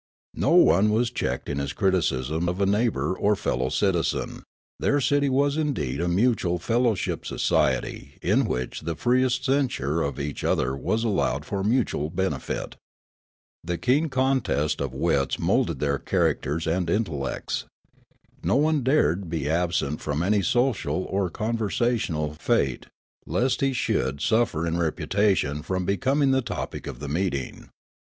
No one was checked in his criticism of a neigh bour or fellow citizen ; their city was indeed a mutual fellowship society in which the freest censure of each other was allowed for mutual benefit. The keen con test of wits moulded their characters. and intellects. No one dared be absent from any social or conver sational fete, lest he should suffer in reputation from becoming the topic of the meeting.